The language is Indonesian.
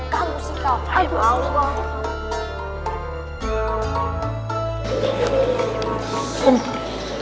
kamu sih kak